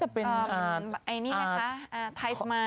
น่าจะเป็นไทยสไมล์